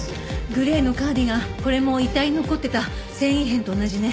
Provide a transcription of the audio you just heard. グレーのカーディガンこれも遺体に残ってた繊維片と同じね。